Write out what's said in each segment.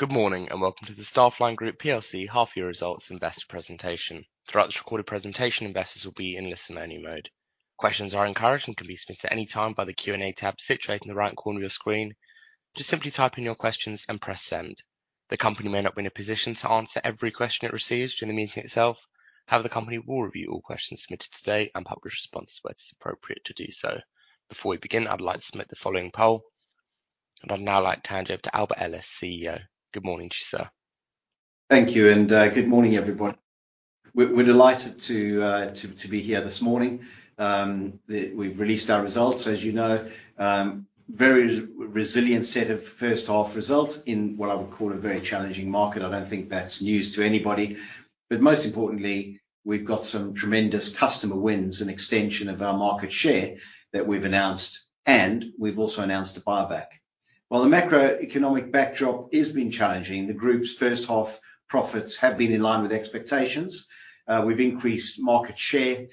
Good morning, welcome to the Staffline Group plc half-year results investor presentation. Throughout this recorded presentation, investors will be in listen-only mode. Questions are encouraged and can be submitted at any time by the Q&A tab situated in the right corner of your screen. Just simply type in your questions and press Send. The company may not be in a position to answer every question it receives during the meeting itself. However, the company will review all questions submitted today and publish responses where it is appropriate to do so. Before we begin, I'd like to submit the following poll, I'd now like to hand you over to Albert Ellis, CEO. Good morning to you, sir. Thank you, good morning, everyone. We're, we're delighted to be here this morning. We've released our results, as you know. Very resilient set of first half results in what I would call a very challenging market. I don't think that's news to anybody. Most importantly, we've got some tremendous customer wins and extension of our market share that we've announced, and we've also announced a buyback. While the macroeconomic backdrop has been challenging, the group's first half profits have been in line with expectations. We've increased market share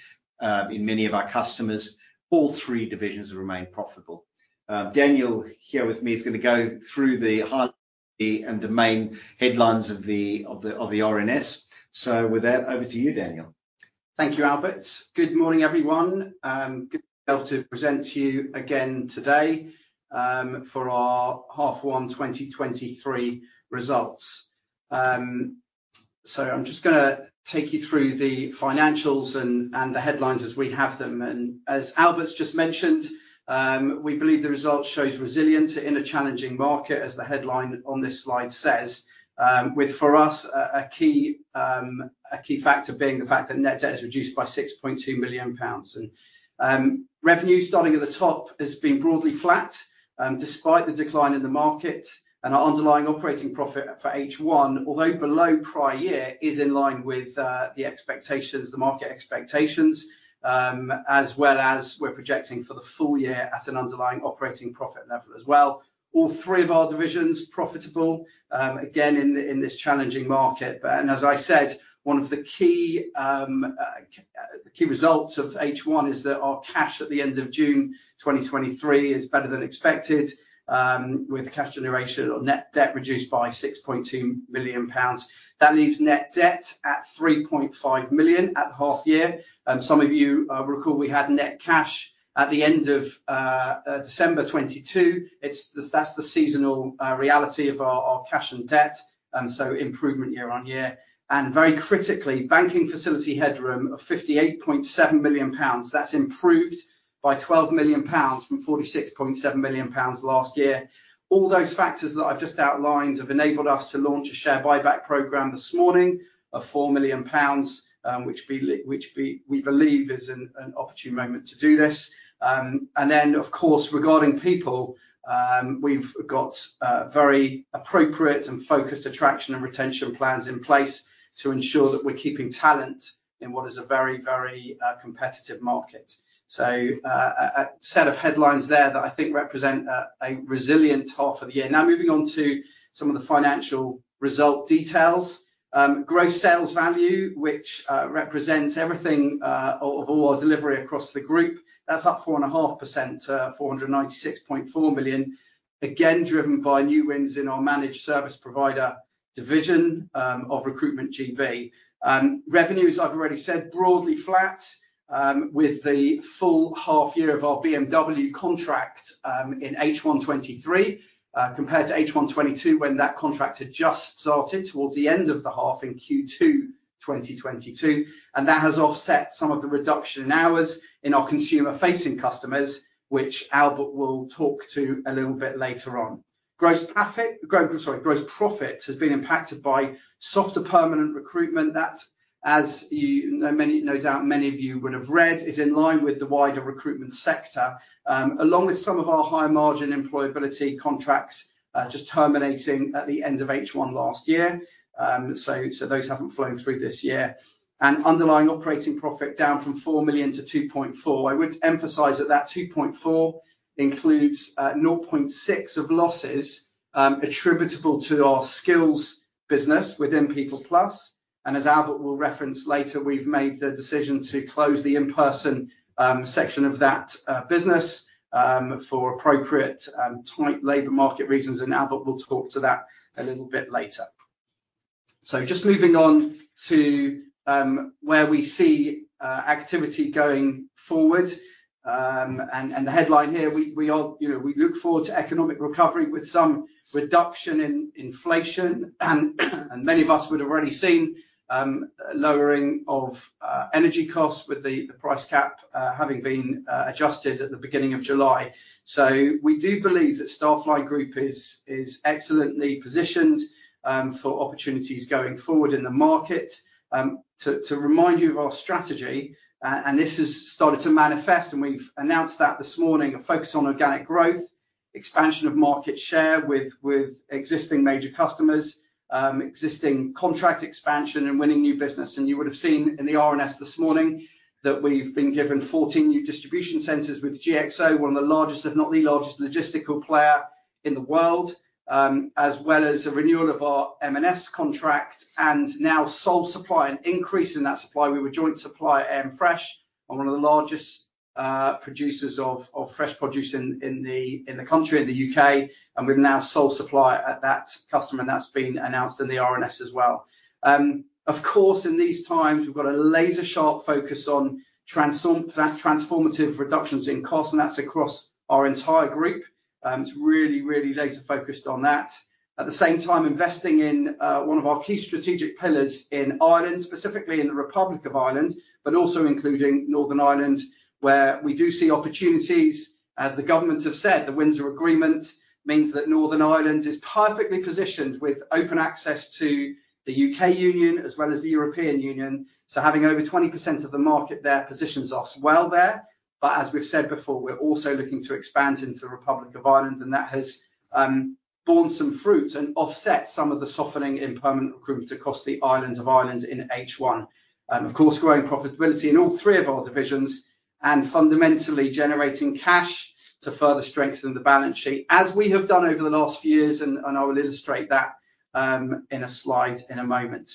in many of our customers. All three divisions have remained profitable. Daniel, here with me, is gonna go through the highlights and the main headlines of the RNS. With that, over to you, Daniel. Thank you, Albert. Good morning, everyone. Good to be able to present to you again today for our H1 2023 results. I'm just gonna take you through the financials and, and the headlines as we have them. As Albert just mentioned, we believe the result shows resilience in a challenging market, as the headline on this slide says. With, for us, a, a key, a key factor being the fact that net debt is reduced by 6.2 million pounds. Revenue, starting at the top, has been broadly flat despite the decline in the market, and our underlying operating profit for H1, although below prior year, is in line with the expectations, the market expectations, as well as we're projecting for the full year at an underlying operating profit level as well. All three of our divisions profitable, again, in, in this challenging market. As I said, one of the key results of H1 is that our cash at the end of June 2023 is better than expected, with cash generation or net debt reduced by 6.2 million pounds. That leaves net debt at 3.5 million at the half year. Some of you recall we had net cash at the end of December 2022. That's the seasonal reality of our, our cash and debt, so improvement year-over-year. Very critically, banking facility headroom of 58.7 million pounds. That's improved by 12 million pounds, from 46.7 million pounds last year. All those factors that I've just outlined have enabled us to launch a share buyback program this morning of 4 million pounds, which we believe is an opportune moment to do this. Of course, regarding people, we've got very appropriate and focused attraction and retention plans in place to ensure that we're keeping talent in what is a very, very competitive market. A set of headlines there that I think represent a resilient half of the year. Moving on to some of the financial result details. Gross sales value, which represents everything of all our delivery across the group, that's up 4.5%, 496.4 million. Again, driven by new wins in our managed service provider division of Recruitment GB. Revenues, I've already said, broadly flat, with the full half year of our BMW contract in H1 2023, compared to H1 2022, when that contract had just started towards the end of the half in Q2 2022. That has offset some of the reduction in hours in our consumer-facing customers, which Albert will talk to a little bit later on. Gross profit. Sorry, gross profit has been impacted by softer permanent recruitment. That, as many of you would have read, is in line with the wider recruitment sector, along with some of our higher margin employability contracts, just terminating at the end of H1 last year. Those haven't flown through this year. Underlying operating profit down from 4 million to 2.4 million. I would emphasize that that 2.4 includes 0.6 of losses attributable to our skills business within PeoplePlus. As Albert will reference later, we've made the decision to close the in-person section of that business for appropriate tight labor market reasons, and Albert will talk to that a little bit later. Just moving on to where we see activity going forward. The headline here, we, we all, you know, we look forward to economic recovery with some reduction in inflation, and many of us would have already seen a lowering of energy costs with the price cap having been adjusted at the beginning of July. We do believe that Staffline Group is excellently positioned for opportunities going forward in the market. To remind you of our strategy, and this has started to manifest, and we've announced that this morning: a focus on organic growth, expansion of market share with, with existing major customers, existing contract expansion, and winning new business. You would have seen in the RNS this morning that we've been given 14 new distribution centers with GXO, one of the largest, if not the largest, logistical player in the world. As well as a renewal of our M&S contract and now sole supplier, an increase in that supply. We were joint supplier at AMFRESH on one of the largest producers of, of fresh produce in, in the, in the country, in the U.K., and we've now sole supplier at that customer, and that's been announced in the RNS as well. Of course, in these times, we've got a laser-sharp focus on transformative reductions in cost. That's across our entire group. It's really, really laser-focused on that. At the same time, investing in one of our key strategic pillars in Ireland, specifically in the Republic of Ireland, but also including Northern Ireland, where we do see opportunities. As the governments have said, the Windsor Framework means that Northern Ireland is perfectly positioned with open access to the U.K. Union as well as the European Union, so having over 20% of the market there positions us well there. As we've said before, we're also looking to expand into the Republic of Ireland, and that has borne some fruit and offset some of the softening in permanent recruitment across the island of Ireland in H1. Of course, growing profitability in all three of our divisions and fundamentally generating cash to further strengthen the balance sheet, as we have done over the last few years, and I will illustrate that in a slide in a moment.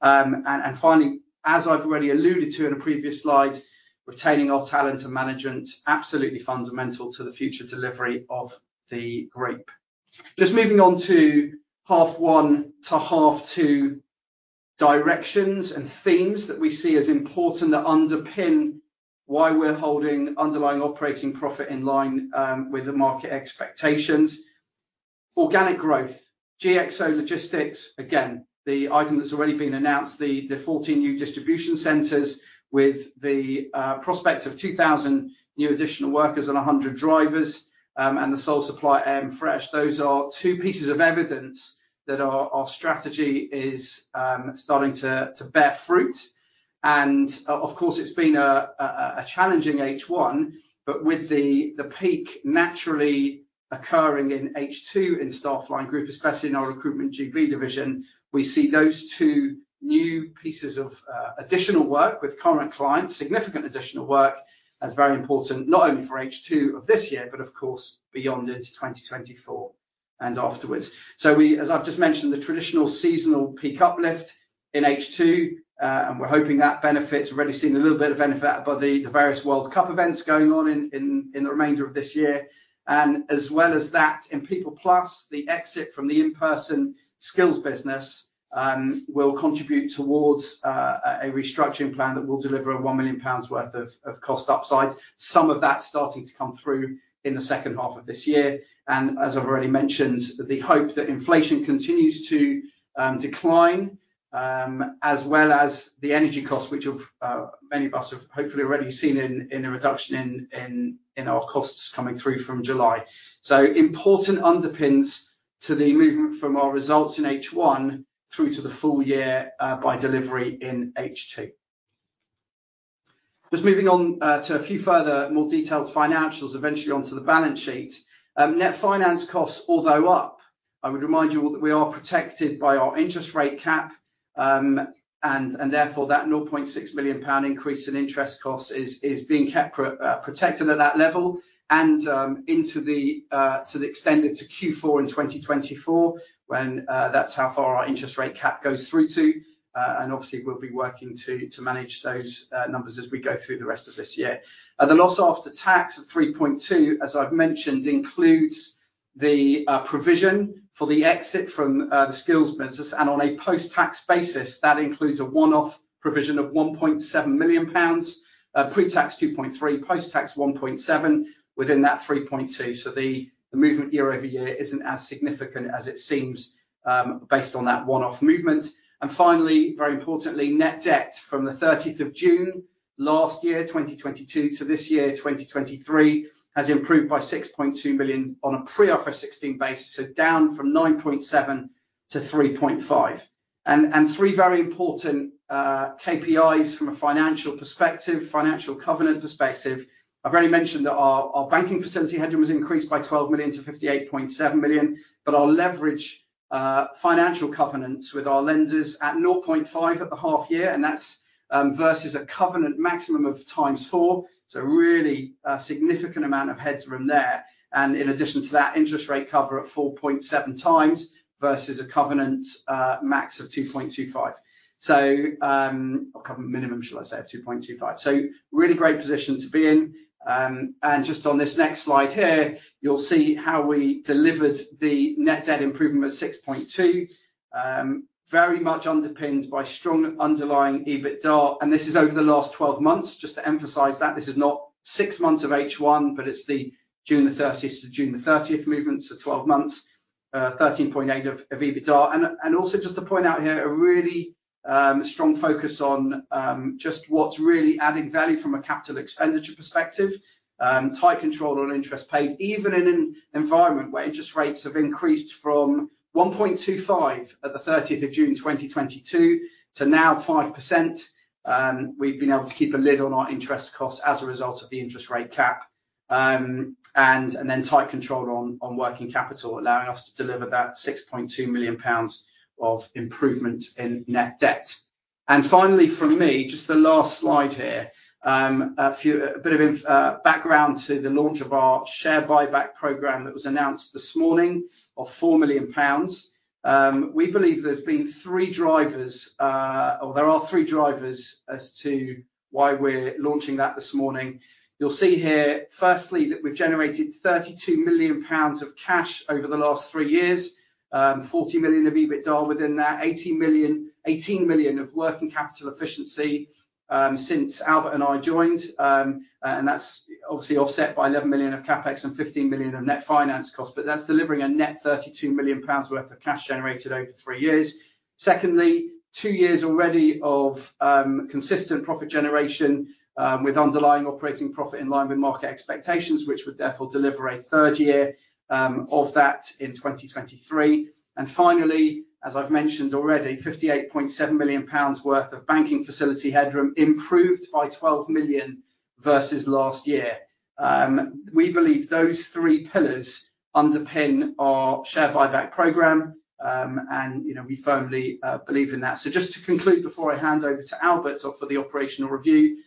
Finally, as I've already alluded to in a previous slide, retaining our talent and management, absolutely fundamental to the future delivery of the group. Just moving on to half one to half two, directions and themes that we see as important that underpin why we're holding underlying operating profit in line with the market expectations. Organic growth, GXO Logistics, again, the item that's already been announced, the 14 new distribution centers with the prospect of 2,000 new additional workers and 100 drivers, and the sole supplier, AMFRESH. Those are two pieces of evidence that our, our strategy is starting to, to bear fruit. Of course, it's been a, a, a challenging H1, but with the, the peak naturally occurring in H2 in Staffline Group, especially in our Recruitment GB division, we see those two new pieces of additional work with current clients, significant additional work, as very important, not only for H2 of this year, but of course, beyond into 2024 and afterwards. We, as I've just mentioned, the traditional seasonal peak uplift in H2, and we're hoping that benefits. We're already seeing a little bit of benefit by the, the various World Cup events going on in the remainder of this year. As well as that, in PeoplePlus, the exit from the in-person skills business will contribute towards a restructuring plan that will deliver a 1 million pounds worth of cost upside. Some of that's starting to come through in the second half of this year. As I've already mentioned, the hope that inflation continues to decline, as well as the energy cost, which many of us have hopefully already seen in a reduction in our costs coming through from July. Important underpins to the movement from our results in H1 through to the full year by delivery in H2. Just moving on to a few further, more detailed financials, eventually onto the balance sheet. Net finance costs, although up, I would remind you all that we are protected by our interest rate cap, and therefore, that 0.6 million pound increase in interest costs is being kept protected at that level and into the extended to Q4 in 2024, when that's how far our interest rate cap goes through to. And obviously, we'll be working to manage those numbers as we go through the rest of this year. The loss after tax of 3.2 million, as I've mentioned, includes the provision for the exit from the skills business, and on a post-tax basis, that includes a one-off provision of 1.7 million pounds, pre-tax, 2.3 million pounds, post-tax, 1.7 million, within that 3.2 million. The movement year-over-year isn't as significant as it seems, based on that one-off movement. Finally, very importantly, net debt from the 30th of June last year, 2022, to this year, 2023, has improved by 6.2 million on a pre-IFRS 16 basis, so down from 9.7 million to 3.5 million. Three very important KPIs from a financial perspective, financial covenant perspective. I've already mentioned that our, our banking facility headroom was increased by 12 million to 58.7 million, our leverage, financial covenants with our lenders at 0.5x at the half year, and that's versus a covenant maximum of 4x, so really a significant amount of headroom there. In addition to that, interest rate cover at 4.7x versus a covenant max of 2.25x. A covenant minimum, should I say, of 2.25x. Really great position to be in. Just on this next slide here, you'll see how we delivered the net debt improvement of 6.2 million. Very much underpinned by strong underlying EBITDA, and this is over the last 12 months. Just to emphasize that this is not six months of H1, but it's the June the 30th to June the 30th movement, so 12 months, 13.8 million of EBITDA. Also just to point out here, a really strong focus on just what's really adding value from a capital expenditure perspective. Tight control on interest paid, even in an environment where interest rates have increased from 1.25% at the 30th of June 2022 to now 5%, we've been able to keep a lid on our interest costs as a result of the interest rate cap. Then tight control on working capital, allowing us to deliver that 6.2 million pounds of improvement in net debt. Finally, from me, just the last slide here. A few, a bit of background to the launch of our share buyback program that was announced this morning of 4 million pounds. We believe there's been three drivers, or there are three drivers as to why we're launching that this morning. You'll see here, firstly, that we've generated 32 million pounds of cash over the last three years. 40 million of EBITDA within that, 18 million, 18 million of working capital efficiency, since Albert and I joined. That's obviously offset by 11 million of CapEx and 15 million of net finance costs, but that's delivering a net 32 million pounds worth of cash generated over three years. Secondly, two years already of consistent profit generation, with underlying operating profit in line with market expectations, which would therefore deliver a third year of that in 2023. Finally, as I've mentioned already, 58.7 million pounds worth of banking facility headroom improved by 12 million versus last year. We believe those three pillars underpin our share buyback program, and, you know, we firmly believe in that. Just to conclude, before I hand over to Albert for the operational review,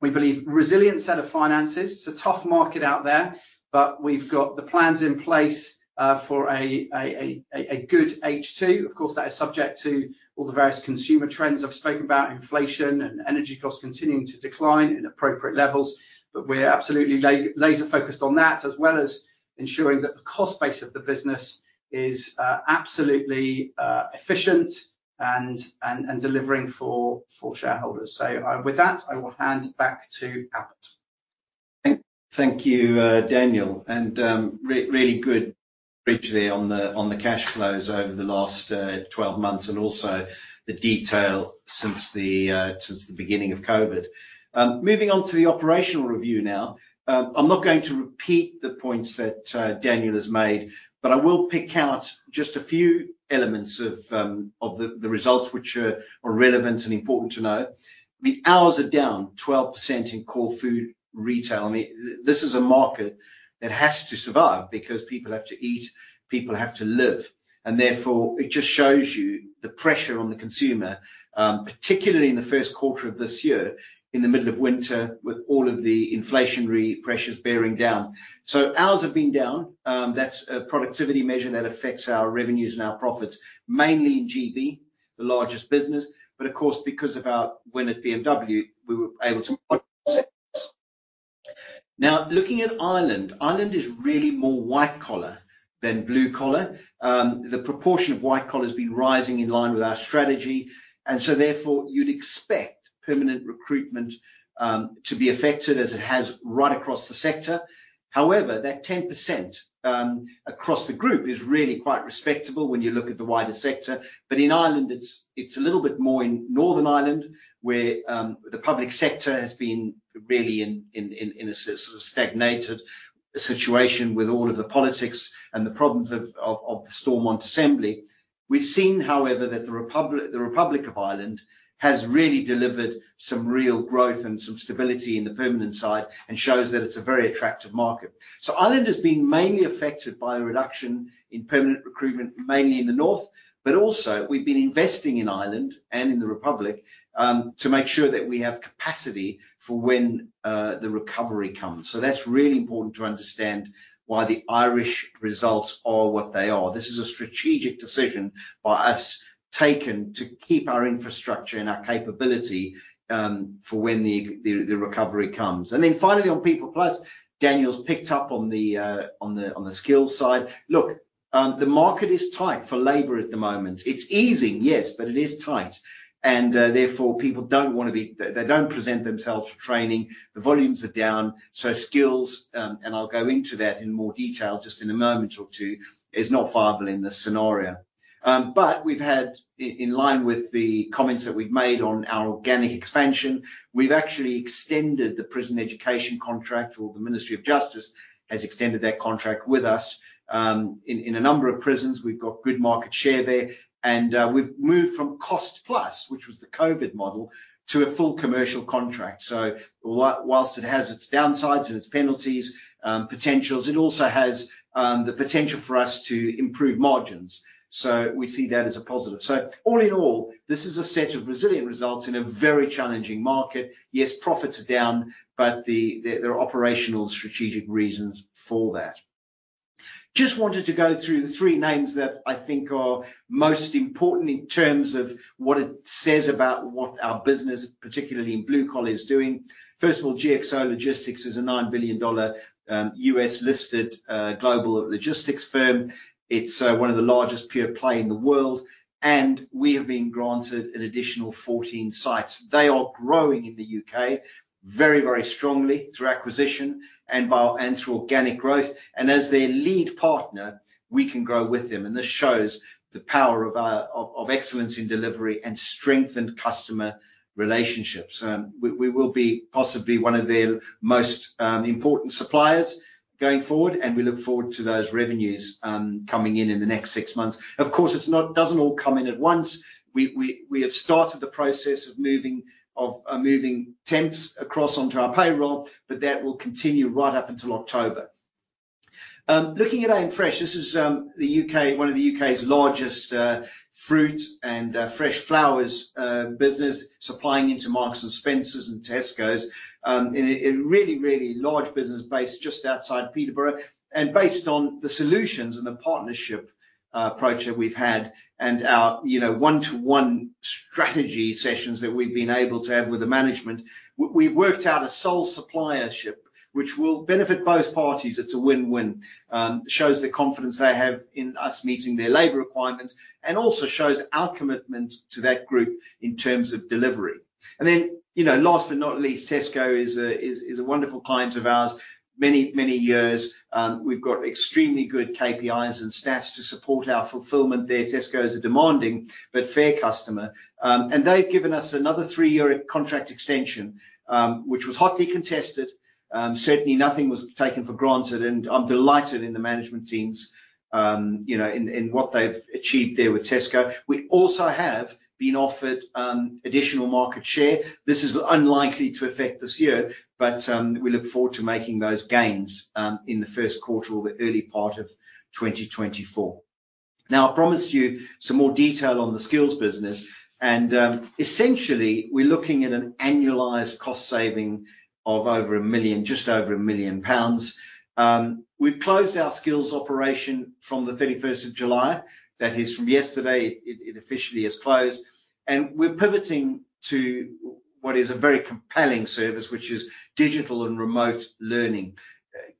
we believe resilient set of finances. It's a tough market out there, but we've got the plans in place for a good H2. Of course, that is subject to all the various consumer trends I've spoken about, inflation and energy costs continuing to decline in appropriate levels, but we're absolutely laser focused on that, as well as ensuring that the cost base of the business is absolutely efficient and, and, and delivering for, for shareholders. With that, I will hand back to Albert. Thank, thank you, Daniel, and really good bridge there on the, on the cash flows over the last 12 months, and also the detail since the since the beginning of COVID. Moving on to the operational review now. I'm not going to repeat the points that Daniel has made, but I will pick out just a few elements of the, the results which are, are relevant and important to note. I mean, hours are down 12% in core food retail. I mean, this is a market that has to survive because people have to eat, people have to live, and therefore, it just shows you the pressure on the consumer, particularly in the first quarter of this year, in the middle of winter, with all of the inflationary pressures bearing down. Hours have been down. That's a productivity measure that affects our revenues and our profits, mainly in GB, the largest business. Of course, because of our win at BMW, we were able to. Now, looking at Ireland, Ireland is really more white collar than blue collar. The proportion of white collar has been rising in line with our strategy, and so therefore, you'd expect permanent recruitment to be affected as it has right across the sector. However, that 10%, across the group is really quite respectable when you look at the wider sector. In Ireland, it's, it's a little bit more in Northern Ireland, where the public sector has been really in, in, in, in a sort of stagnated situation with all of the politics and the problems of the Stormont Assembly. We've seen, however, that the Republic of Ireland, has really delivered some real growth and some stability in the permanent side and shows that it's a very attractive market. Ireland has been mainly affected by a reduction in permanent recruitment, mainly in the north, but also we've been investing in Ireland and in the Republic to make sure that we have capacity for when the recovery comes. That's really important to understand why the Irish results are what they are. This is a strategic decision by us, taken to keep our infrastructure and our capability for when the, the, the recovery comes. Then finally, on PeoplePlus, Daniel's picked up on the, on the, on the skills side. Look, the market is tight for labor at the moment. It's easing, yes, but it is tight, and therefore, people don't want to be. They, they don't present themselves for training. The volumes are down, so skills, and I'll go into that in more detail just in a moment or two, is not viable in this scenario. We've had, in line with the comments that we've made on our organic expansion, we've actually extended the prison education contract, or the Ministry of Justice has extended their contract with us, in a number of prisons. We've got good market share there, and we've moved from cost plus, which was the COVID model, to a full commercial contract. Whilst it has its downsides and its penalties, potentials, it also has the potential for us to improve margins, so we see that as a positive. All in all, this is a set of resilient results in a very challenging market. Yes, profits are down, but the, the, there are operational and strategic reasons for that. Just wanted to go through the three names that I think are most important in terms of what it says about what our business, particularly in blue collar, is doing. First of all, GXO Logistics is a $9 billion, U.S.-listed, global logistics firm. It's one of the largest pure play in the world, and we have been granted an additional 14 sites. They are growing in the U.K. very, very strongly through acquisition and by, and through organic growth, and as their lead partner, we can grow with them. This shows the power of our, of, of excellence in delivery and strengthened customer relationships. We, we will be possibly one of their most important suppliers going forward, and we look forward to those revenues coming in in the next six months. Of course, it's not, doesn't all come in at once. We, we, we have started the process of moving, of moving temps across onto our payroll, but that will continue right up until October. Looking at AMFRESH, this is the U.K., one of the U.K.'s largest fruit and fresh flowers business supplying into Marks & Spencer and Tesco. A really, really large business based just outside Peterborough. Based on the solutions and the partnership approach that we've had and our, you know, one-to-one strategy sessions that we've been able to have with the management, we've worked out a sole suppliership, which will benefit both parties. It's a win-win. Shows the confidence they have in us meeting their labor requirements and also shows our commitment to that group in terms of delivery. You know, last but not least, Tesco is a wonderful client of ours many, many years. We've got extremely good KPIs and stats to support our fulfillment there. Tesco is a demanding but fair customer. They've given us another three-year contract extension, which was hotly contested, and certainly, nothing was taken for granted, and I'm delighted in the management teams, you know, in what they've achieved there with Tesco. We also have been offered additional market share. This is unlikely to affect this year, but we look forward to making those gains in the first quarter or the early part of 2024. I promised you some more detail on the skills business, and essentially, we're looking at an annualized cost saving of over 1 million, just over 1 million pounds. We've closed our skills operation from the 31st of July. That is from yesterday, it, it officially has closed, and we're pivoting to what is a very compelling service, which is digital and remote learning.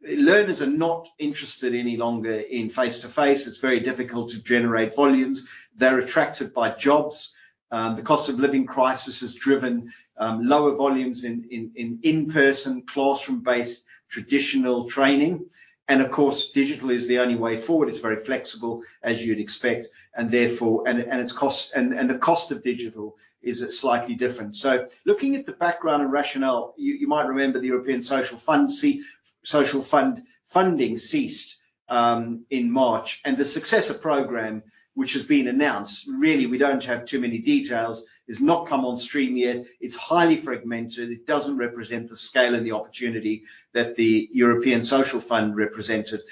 Learners are not interested any longer in face-to-face. It's very difficult to generate volumes. They're attracted by jobs. The cost-of-living crisis has driven lower volumes in in-person, classroom-based, traditional training. Of course, digital is the only way forward. It's very flexible, as you'd expect, and therefore its cost, and the cost of digital is slightly different. Looking at the background and rationale, you might remember the European Social Fund funding ceased in March. The successor program, which has been announced, really, we don't have too many details, has not come on stream yet. It's highly fragmented. It doesn't represent the scale and the opportunity that the European Social Fund represented.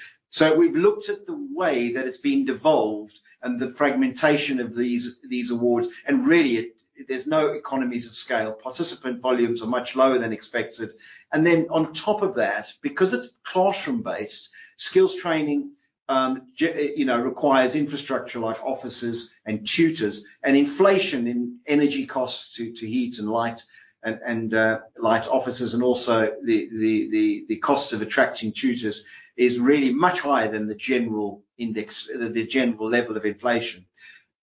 We've looked at the way that it's been devolved and the fragmentation of these awards, and really, there's no economies of scale. Participant volumes are much lower than expected. Then on top of that, because it's classroom-based, skills training, you know, requires infrastructure like offices and tutors, and inflation in energy costs to, to heat and light and, and light offices, and also the, the, the, the costs of attracting tutors is really much higher than the general index, the, the general level of inflation.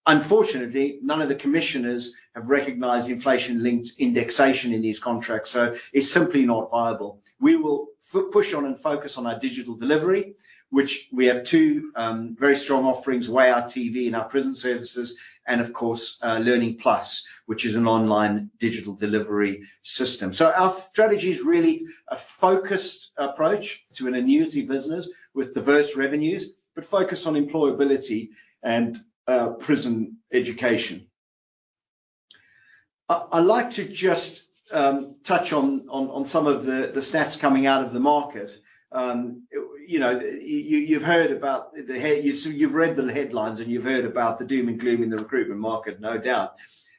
Unfortunately, none of the commissioners have recognized inflation-linked indexation in these contracts, so it's simply not viable. We will push on and focus on our digital delivery, which we have two very strong offerings, Wurk TV and our prison services, and of course, LearningPlus, which is an online digital delivery system. Our strategy is really a focused approach to an annuity business with diverse revenues, but focused on employability and prison education. I'd like to just touch on, on, on some of the, the stats coming out of the market. You know, you, you've read the headlines, you've heard about the doom and gloom in the recruitment market, no doubt.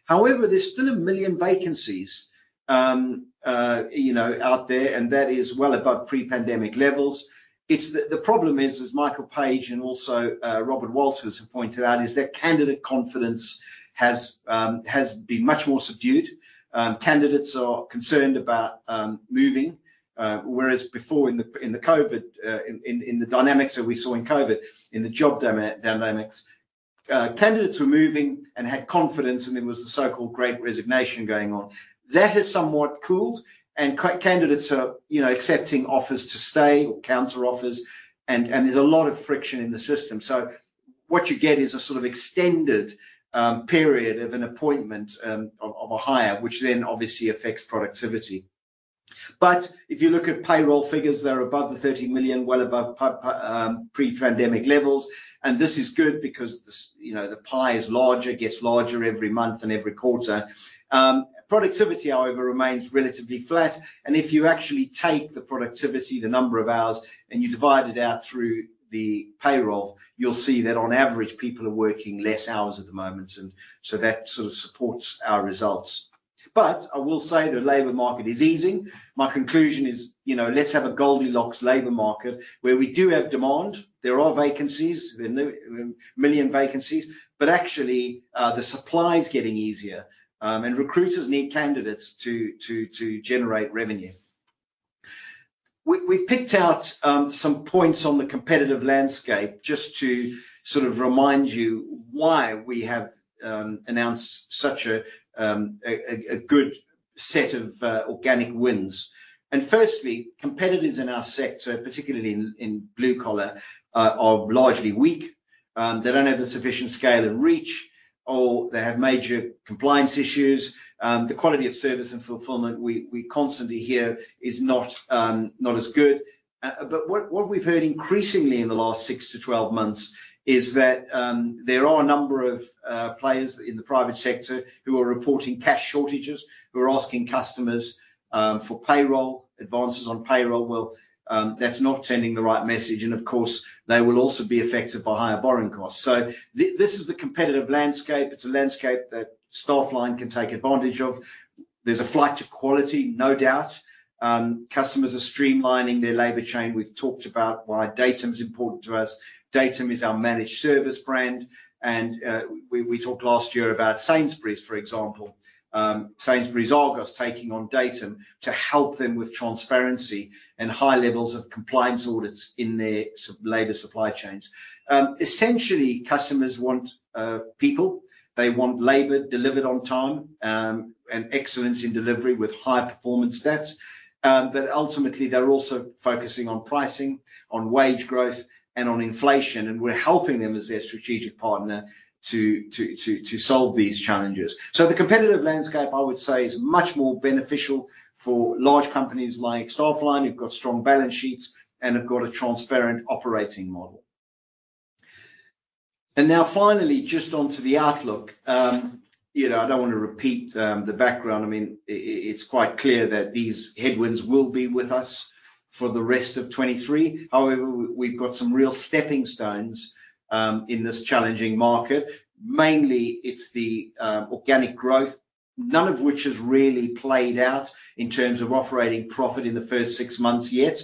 However, there's still 1 million vacancies, you know, out there, and that is well above pre-pandemic levels. It's the, the problem is, as Michael Page and also Robert Walters have pointed out, is that candidate confidence has been much more subdued. Candidates are concerned about moving, whereas before in the, in the COVID, in, in, in the dynamics that we saw in COVID, in the job dynamics, candidates were moving and had confidence, and there was the so-called Great Resignation going on. That has somewhat cooled, candidates are, you know, accepting offers to stay or counteroffers, there's a lot of friction in the system. What you get is a sort of extended period of an appointment of a hire, which then obviously affects productivity. If you look at payroll figures, they're above 30 million, well above pre-pandemic levels. This is good because, you know, the pie is larger, gets larger every month and every quarter. Productivity, however, remains relatively flat, and if you actually take the productivity, the number of hours, and you divide it out through the payroll, you'll see that on average, people are working less hours at the moment, and so that sort of supports our results. I will say the labor market is easing. My conclusion is, you know, let's have a Goldilocks labor market where we do have demand. There are vacancies, there are 1 million vacancies, but actually, the supply is getting easier, and recruiters need candidates to generate revenue. We've picked out some points on the competitive landscape just to sort of remind you why we have announced such a good set of organic wins. Firstly, competitors in our sector, particularly in blue collar, are largely weak. They don't have the sufficient scale and reach, or they have major compliance issues. The quality of service and fulfillment, we constantly hear, is not as good. What, what we've heard increasingly in the last 6 to 12 months is that there are a number of players in the private sector who are reporting cash shortages, who are asking customers for payroll, advances on payroll. Well, that's not sending the right message, and of course, they will also be affected by higher borrowing costs. This is the competitive landscape. It's a landscape that Staffline can take advantage of. There's a flight to quality, no doubt. Customers are streamlining their labor chain. We've talked about why Datum is important to us. Datum is our managed service brand, and we, we talked last year about Sainsbury's, for example. Sainsbury's Argos taking on Datum to help them with transparency and high levels of compliance audits in their labor supply chains. Essentially, customers want people. They want labor delivered on time, and excellence in delivery with high performance stats. Ultimately, they're also focusing on pricing, on wage growth, and on inflation, and we're helping them as their strategic partner to, to solve these challenges. The competitive landscape, I would say, is much more beneficial for large companies like Staffline, who've got strong balance sheets and have got a transparent operating model. Now, finally, just onto the outlook. You know, I don't want to repeat the background. I mean, it's quite clear that these headwinds will be with us for the rest of 2023. However, we, we've got some real steppingstones in this challenging market. Mainly, it's the organic growth, none of which has really played out in terms of operating profit in the first six months yet.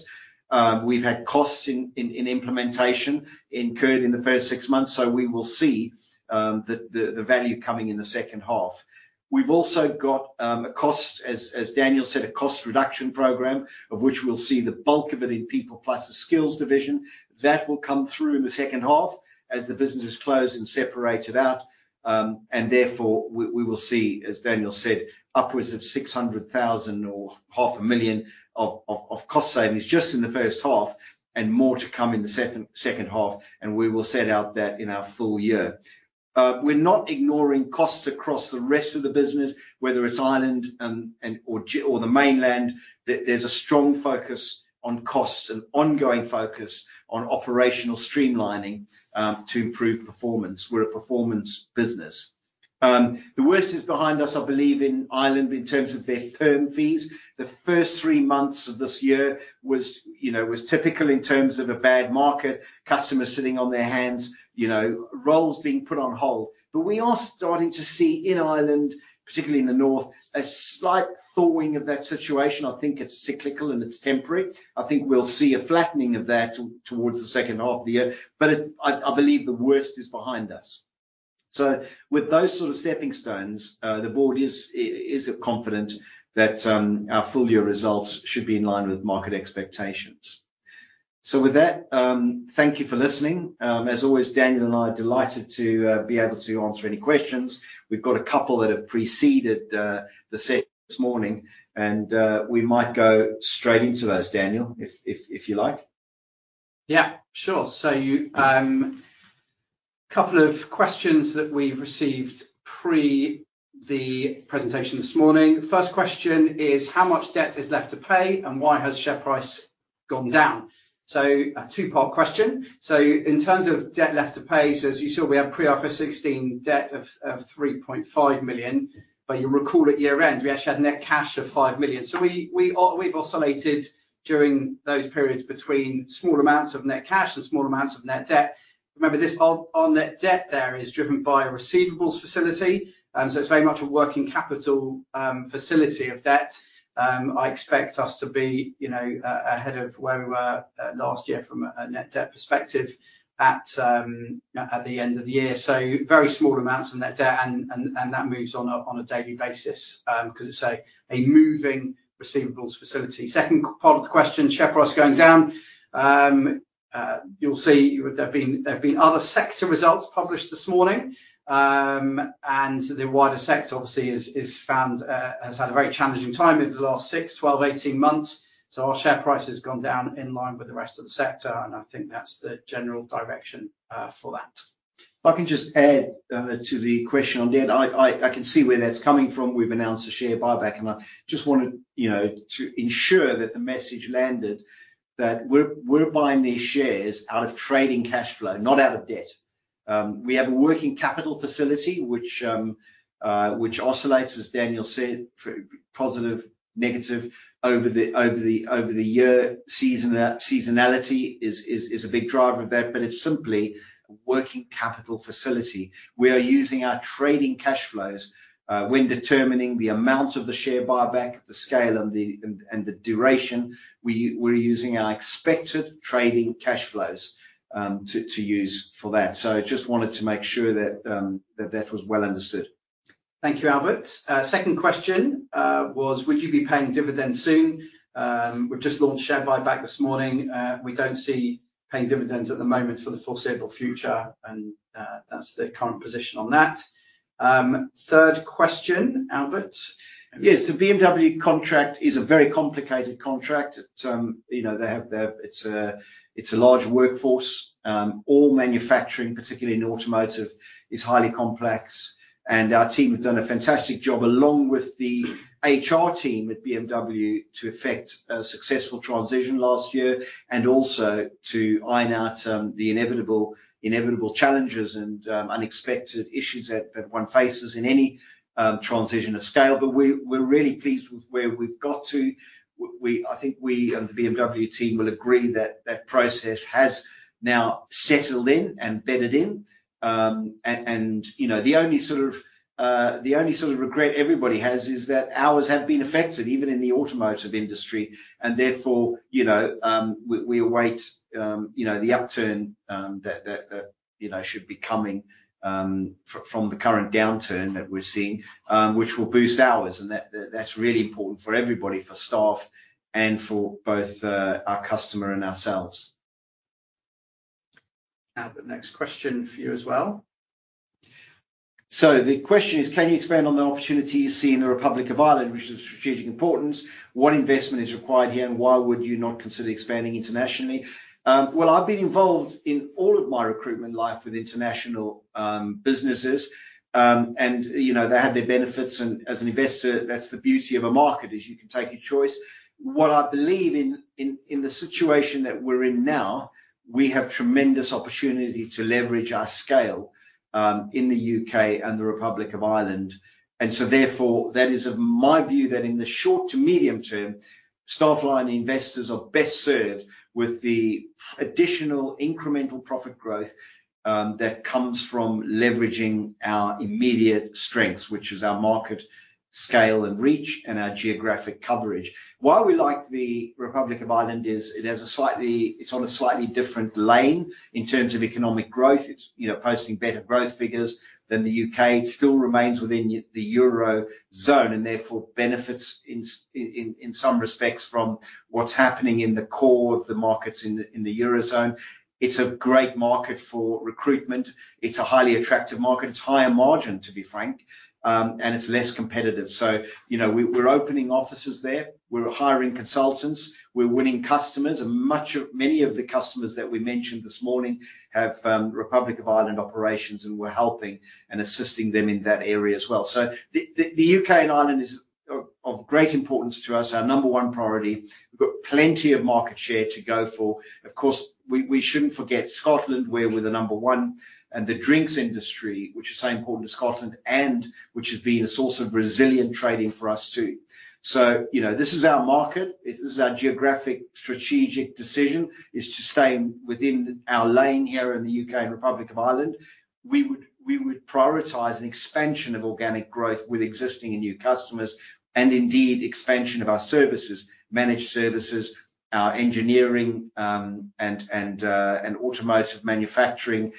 We've had costs in, in, in implementation incurred in the first six months, so we will see the value coming in the second half. We've also got a cost, as Daniel said, a cost reduction program, of which we'll see the bulk of it in PeoplePlus, the skills division. That will come through in the second half as the business is closed and separated out, and therefore, we will see, as Daniel said, upwards of 600,000 or 500,000 of cost savings just in the first half, and more to come in the second, second half, and we will set out that in our full year. We're not ignoring costs across the rest of the business, whether it's Ireland, and or the mainland. There, there's a strong focus on costs and ongoing focus on operational streamlining to improve performance. We're a performance business. The worst is behind us, I believe, in Ireland, in terms of their perm fees. The first three months of this year was, you know, was typical in terms of a bad market, customers sitting on their hands, you know, roles being put on hold. We are starting to see in Ireland, particularly in the north, a slight thawing of that situation. I think it's cyclical, and it's temporary. I think we'll see a flattening of that towards the second half of the year, but I believe the worst is behind us. With those sort of steppingstones, the board is confident that our full-year results should be in line with market expectations. With that, thank you for listening. As always, Daniel and I are delighted to be able to answer any questions. We've got a couple that have preceded the session this morning. We might go straight into those, Daniel, if you like. Yeah, sure. You, couple of questions that we've received pre the presentation this morning. First question is: How much debt is left to pay, and why has share price gone down? A two-part question. In terms of debt left to pay, as you saw, we had pre-IFRS 16 debt of 3.5 million, but you'll recall at year-end, we actually had net cash of 5 million. We, we've oscillated during those periods between small amounts of net cash and small amounts of net debt. Remember, this our, our net debt there is driven by a receivables facility, it's very much a working capital facility of debt. I expect us to be, you know, ahead of where we were last year from a net debt perspective at the end of the year. Very small amounts of net debt, and, and, and that moves on a, on a daily basis, 'cause it's a, a moving receivables facility. Second part of the question, share price going down. You'll see there've been, there've been other sector results published this morning, and the wider sector, obviously, is, is found, has had a very challenging time over the last 6, 12, 18 months. Our share price has gone down in line with the rest of the sector, and I think that's the general direction for that. If I can just add to the question on debt, I can see where that's coming from. We've announced a share buyback, and I just wanted, you know, to ensure that the message landed that we're, we're buying these shares out of trading cash flow, not out of debt. We have a working capital facility, which oscillates, as Daniel said, for positive, negative over the, over the, over the year. Seasonality is, is, is a big driver of that, but it's simply a working capital facility. We are using our trading cash flows when determining the amount of the share buyback, the scale, and the, and, and the duration. We, we're using our expected trading cash flows to, to use for that. I just wanted to make sure that that was well understood. Thank you, Albert. Second question was: Would you be paying dividends soon? We've just launched share buyback this morning. We don't see paying dividends at the moment for the foreseeable future. That's the current position on that. Third question, Albert? Yes, the BMW contract is a very complicated contract. It, you know, they have their... It's a, it's a large workforce. All manufacturing, particularly in automotive, is highly complex, and our team have done a fantastic job, along with the HR team at BMW, to effect a successful transition last year and also to iron out the inevitable, inevitable challenges and unexpected issues that, that one faces in any transition of scale. We, we're really pleased with where we've got to. We, I think we and the BMW team will agree that that process has now settled in and bedded in. You know, the only sort of, the only sort of regret everybody has is that hours have been affected, even in the automotive industry, and therefore, you know, we, we await, you know, the upturn, that, that, you know, should be coming from the current downturn that we're seeing, which will boost ours, and that, that's really important for everybody, for staff and for both, our customer and ourselves. Albert, next question for you as well. The question is: Can you expand on the opportunities you see in the Republic of Ireland, which is of strategic importance? What investment is required here, and why would you not consider expanding internationally? Well, I've been involved in all of my recruitment life with international businesses. You know, they had their benefits, and as an investor, that's the beauty of a market, is you can take your choice. What I believe in, in, in the situation that we're in now, we have tremendous opportunity to leverage our scale in the U.K. and the Republic of Ireland. Therefore, that is of my view, that in the short to medium term, Staffline investors are best served with the additional incremental profit growth that comes from leveraging our immediate strengths, which is our market scale and reach and our geographic coverage. Why we like the Republic of Ireland is it has a slightly, it's on a slightly different lane in terms of economic growth. It's, you know, posting better growth figures than the U.K. It still remains within the Eurozone and therefore benefits in some respects from what's happening in the core of the markets in the Eurozone. It's a great market for recruitment. It's a highly attractive market. It's higher margin, to be frank, and it's less competitive. You know, we're opening offices there. We're hiring consultants. We're winning customers, and Many of the customers that we mentioned this morning have Republic of Ireland operations, and we're helping and assisting them in that area as well. The U.K. and Ireland is of great importance to us, our number one priority. We've got plenty of market share to go for. We, we shouldn't forget Scotland, where we're the number one, and the drinks industry, which is so important to Scotland and which has been a source of resilient trading for us, too. You know, this is our market. This is our geographic strategic decision, is to stay within our lane here in the U.K. and Republic of Ireland. We would, we would prioritize an expansion of organic growth with existing and new customers and indeed, expansion of our services, managed services, our engineering, and, and automotive manufacturing,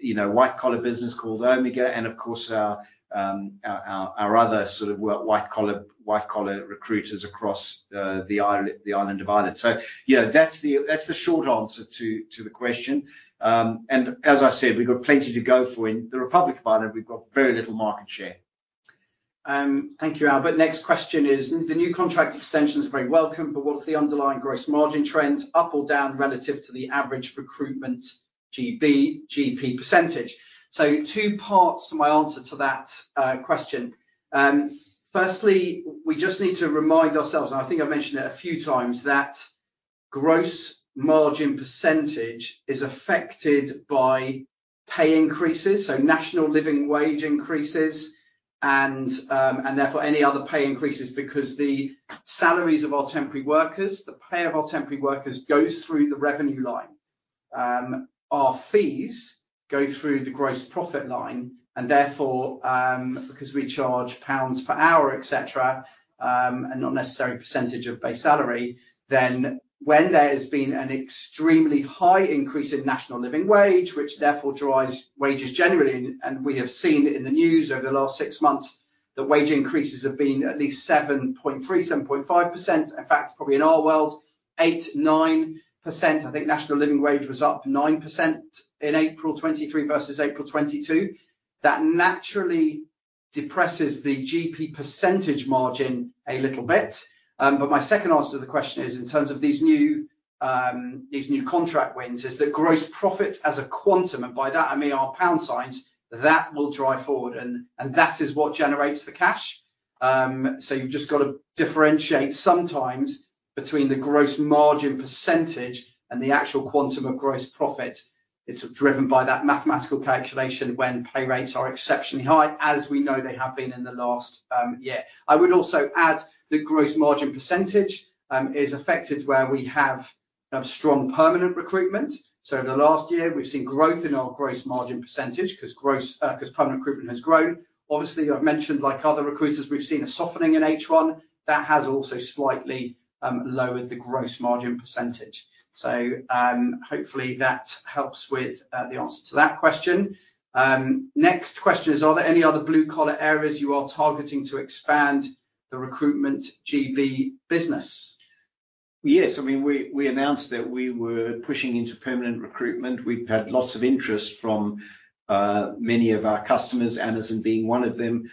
you know, white-collar business called Omega and, of course, our other sort of work, white-collar recruiters across the island of Ireland. You know, that's the, that's the short answer to, to the question. As I said, we've got plenty to go for. In the Republic of Ireland, we've got very little market share. Thank you, Albert. Next question is: The new contract extensions are very welcome, but what's the underlying gross margin trend, up or down, relative to the average Recruitment GB, GP percentage? Two parts to my answer to that question. Firstly, we just need to remind ourselves, and I think I've mentioned it a few times, that gross margin percentage is affected by pay increases, so National Living Wage increases, and therefore any other pay increases, because the salaries of our temporary workers, the pay of our temporary workers, goes through the revenue line. Our fees go through the gross profit line, and therefore, because we charge pounds per hour, et cetera, and not necessarily percentage of base salary, then when there has been an extremely high increase in National Living Wage, which therefore drives wages generally, and we have seen it in the news over the last six months, that wage increases have been at least 7.3%-7.5%. In fact, probably in our world, 8%-9%. I think National Living Wage was up 9% in April 2023 versus April 2022. That naturally depresses the GP percentage margin a little bit. My second answer to the question is, in terms of these new, these new contract wins, is that gross profit as a quantum, and by that I mean our pound signs, that will drive forward, and that is what generates the cash. You've just got to differentiate sometimes between the gross margin percentage and the actual quantum of gross profit. It's driven by that mathematical calculation when pay rates are exceptionally high, as we know they have been in the last year. I would also add that gross margin percentage is affected where we have strong permanent recruitment. In the last year, we've seen growth in our gross margin percentage 'cause gross, 'cause permanent recruitment has grown. Obviously, I've mentioned, like other recruiters, we've seen a softening in H1. That has also slightly lowered the gross margin percentage. Hopefully, that helps with the answer to that question. Next question is: Are there any other blue-collar areas you are targeting to expand the Recruitment GB business? Yes. I mean, we, we announced that we were pushing into permanent recruitment. We've had lots of interest from many of our customers, Amazon being one of them.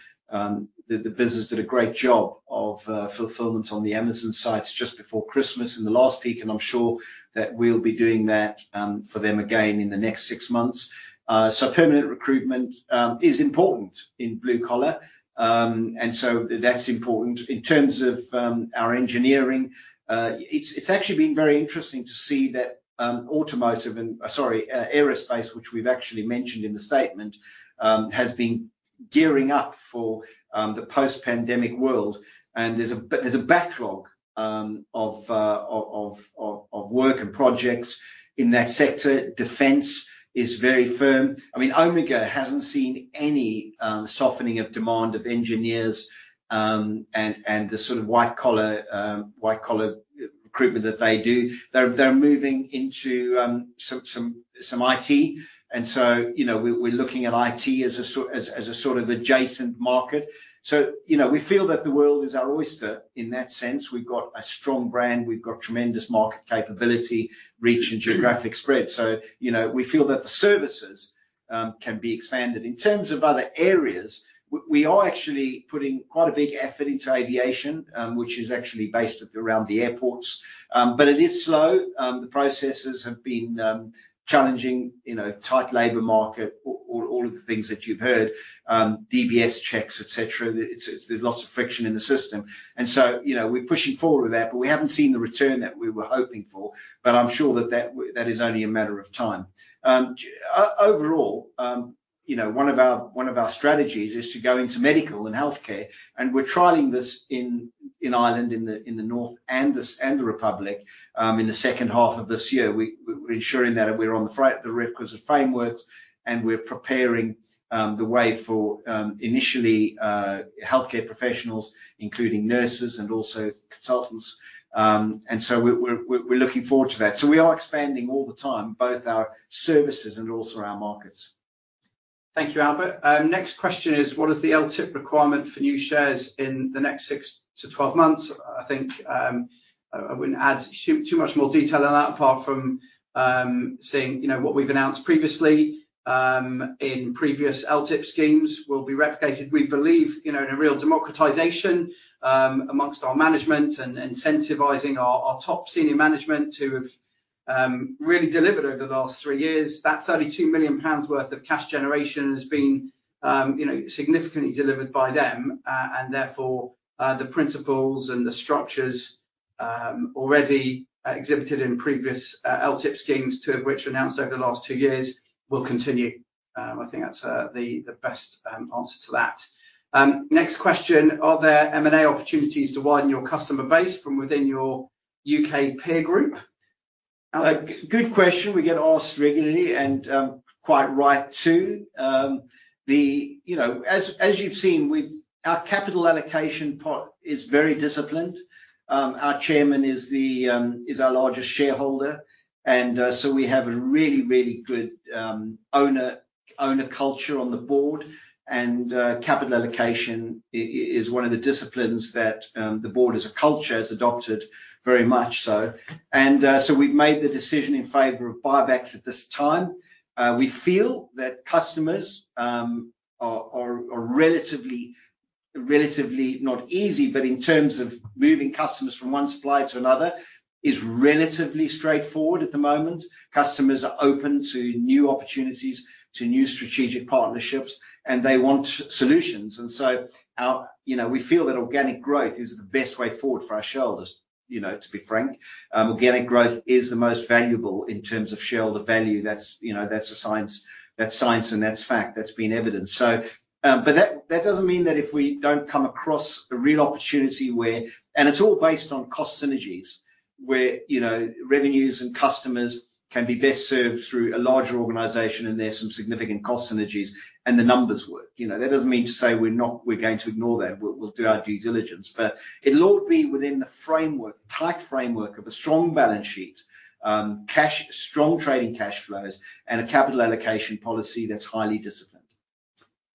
The business did a great job of fulfillment on the Amazon sites just before Christmas in the last peak, and I'm sure that we'll be doing that for them again in the next six months. Permanent recruitment is important in blue collar, and so that's important. In terms of our engineering, it's actually been very interesting to see that automotive and... Sorry, aerospace, which we've actually mentioned in the statement, has been gearing up for the post-pandemic world. There's a backlog of work and projects in that sector. Defense is very firm. I mean, Omega hasn't seen any softening of demand of engineers, and the sort of white-collar recruitment that they do. They're moving into some IT. You know, we're looking at IT as a sort of adjacent market. You know, we feel that the world is our oyster in that sense. We've got a strong brand, we've got tremendous market capability, reach, and geographic spread. You know, we feel that the services can be expanded. In terms of other areas, we are actually putting quite a big effort into aviation, which is actually based at around the airports. It is slow. The processes have been challenging, you know, tight labor market, all of the things that you've heard, DBS checks, et cetera. It's, there's lots of friction in the system, and so, you know, we're pushing forward with that, but we haven't seen the return that we were hoping for, but I'm sure that that is only a matter of time. Overall, you know, one of our, one of our strategies is to go into medical and healthcare, and we're trialing this in, in Ireland, in the, in the North and the Republic, in the second half of this year. We, we're ensuring that we're on the requisite frameworks, and we're preparing the way for initially healthcare professionals, including nurses and also consultants. We're, we're, we're looking forward to that. We are expanding all the time, both our services and also our markets. Thank you, Albert. Next question is, "What is the LTIP requirement for new shares in the next 6 to 12 months?" I think, I, I wouldn't add too, too much more detail on that, apart from saying, you know, what we've announced previously, in previous LTIP schemes will be replicated. We believe, you know, in a real democratization amongst our management and incentivizing our, our top senior management, who have really delivered over the last three years. That 32 million pounds worth of cash generation has been, you know, significantly delivered by them, therefore, the principles and the structures already exhibited in previous LTIP schemes, two of which are announced over the last two years, will continue. I think that's the, the best answer to that. Next question: "Are there M&A opportunities to widen your customer base from within your U.K. peer group?" Albert? Good question we get asked regularly, quite right, too. The, you know, as, as you've seen, our capital allocation pot is very disciplined. Our chairman is the, is our largest shareholder, so we have a really, really good, owner, owner culture on the board. Capital allocation is one of the disciplines that the board, as a culture, has adopted, very much so. We've made the decision in favor of buybacks at this time. We feel that customers, are, are, are relatively, relatively not easy, but in terms of moving customers from one supplier to another, is relatively straightforward at the moment. Customers are open to new opportunities, to new strategic partnerships, and they want solutions. You know, we feel that organic growth is the best way forward for our shareholders, you know, to be frank. Organic growth is the most valuable in terms of shareholder value. That's, you know, that's a science, that's science, and that's fact. That's been evidenced. That, that doesn't mean that if we don't come across a real opportunity where... It's all based on cost synergies, where, you know, revenues and customers can be best served through a larger organization, and there's some significant cost synergies, and the numbers work. You know, that doesn't mean to say we're not going to ignore that. We'll, we'll do our due diligence, but it'll all be within the framework, tight framework of a strong balance sheet, cash, strong trading cash flows, and a capital allocation policy that's highly disciplined.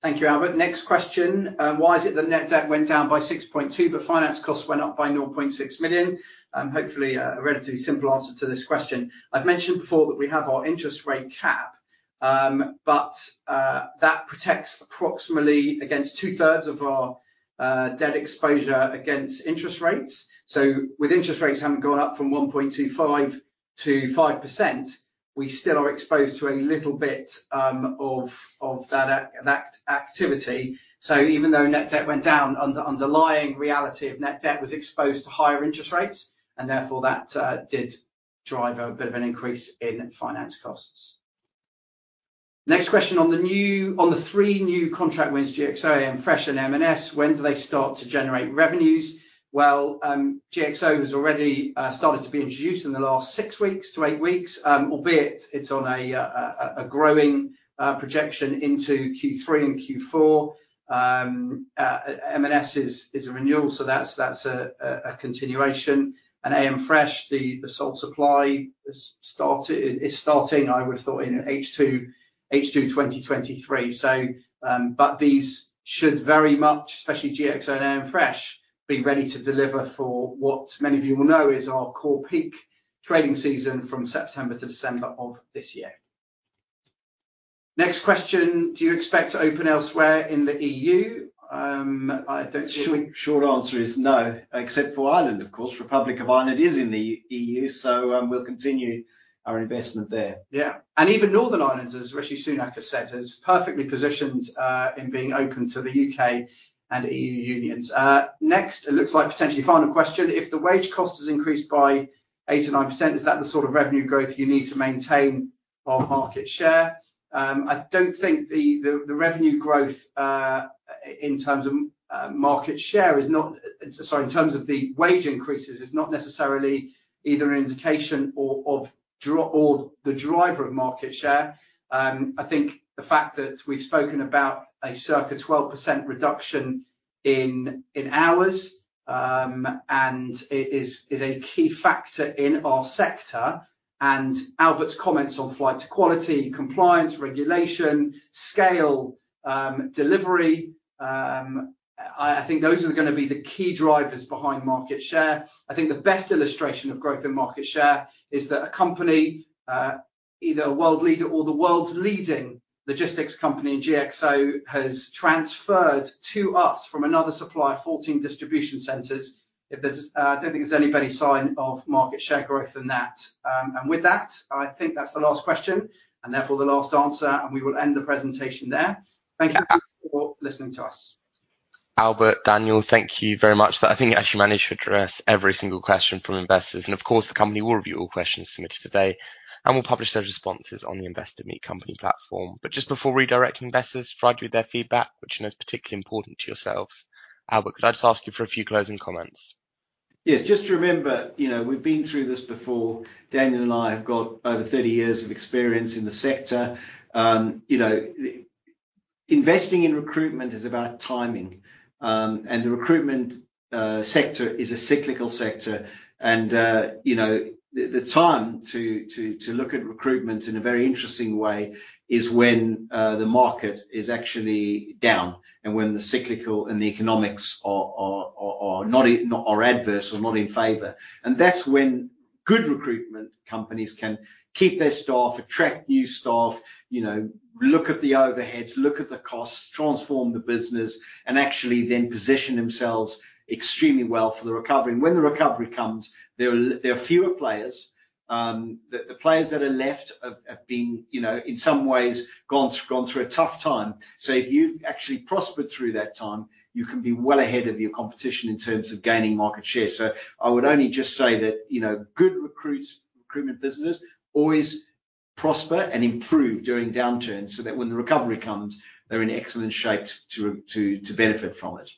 Thank you, Albert. Next question: "Why is it that net debt went down by 6.2 million, but finance costs went up by 0.6 million?" Hopefully, a relatively simple answer to this question. I've mentioned before that we have our interest rate cap, but that protects approximately against two-thirds of our debt exposure against interest rates. With interest rates having gone up from 1.25% to 5%, we still are exposed to a little bit of that activity. Even though net debt went down, underlying reality of net debt was exposed to higher interest rates, and therefore that did drive a bit of an increase in finance costs. Next question: "On the new-- on the three new contract wins, GXO, AMFRESH, and M&S, when do they start to generate revenues?" Well, GXO has already started to be introduced in the last six weeks to eight weeks, albeit it's on a growing projection into Q3 and Q4. M&S is a renewal, so that's a continuation. AMFRESH, the sole supply has started, is starting, I would have thought, in H2, H2 2023. These should very much, especially GXO and AMFRESH, be ready to deliver for what many of you will know is our core peak trading season from September to December of this year. Next question: "Do you expect to open elsewhere in the EU?" I don't think- Short, short answer is no, except for Ireland, of course. Republic of Ireland is in the EU, so, we'll continue our investment there. Even Northern Ireland, as Rishi Sunak has said, is perfectly positioned in being open to the U.K. and EU unions. Next, it looks like potentially final question: "If the wage cost has increased by 8%-9%, is that the sort of revenue growth you need to maintain our market share?" I don't think the, the, the revenue growth, in terms of market share is not... Sorry, in terms of the wage increases, is not necessarily either an indication or the driver of market share. I think the fact that we've spoken about a circa 12% reduction in hours. It is, is a key factor in our sector. Albert's comments on flight to quality, compliance, regulation, scale, delivery, I think those are gonna be the key drivers behind market share. I think the best illustration of growth in market share is that a company, either a world leader or the world's leading logistics company, GXO, has transferred to us from another supplier, 14 distribution centers. If there's, I don't think there's any better sign of market share growth than that. With that, I think that's the last question, and therefore the last answer, and we will end the presentation there. Thank you for listening to us. Albert, Daniel, thank you very much. I think you actually managed to address every single question from investors. Of course, the company will review all questions submitted today and will publish those responses on the Investor Meet Company platform. Just before redirecting investors, provide you with their feedback, which I know is particularly important to yourselves. Albert, could I just ask you for a few closing comments? Yes. Just remember, you know, we've been through this before. Daniel and I have got over 30 years of experience in the sector. You know, investing in recruitment is about timing, and the recruitment sector is a cyclical sector, and, you know, the time to look at recruitment in a very interesting way is when the market is actually down and when the cyclical and the economics are adverse or not in favor. That's when good recruitment companies can keep their staff, attract new staff, you know, look at the overheads, look at the costs, transform the business, and actually then position themselves extremely well for the recovery. When the recovery comes, there are fewer players. The, the players that are left have, have been, you know, in some ways gone, gone through a tough time. If you've actually prospered through that time, you can be well ahead of your competition in terms of gaining market share. I would only just say that, you know, good recruits, recruitment businesses always prosper and improve during downturns so that when the recovery comes, they're in excellent shape to, to, to benefit from it.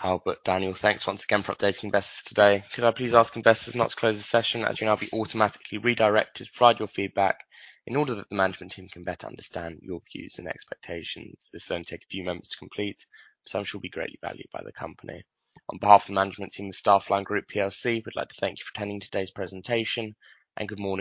Albert, Daniel, thanks once again for updating investors today. Could I please ask investors now to close the session, as you now be automatically redirected to provide your feedback in order that the management team can better understand your views and expectations. This will only take a few moments to complete, so I'm sure it will be greatly valued by the company. On behalf of the management team of Staffline Group plc, we'd like to thank you for attending today's presentation, and good morning.